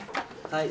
はい。